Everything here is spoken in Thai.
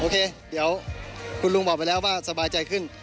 เดี๋ยวคุณลุงบอกไปแล้วว่าสบายใจขึ้น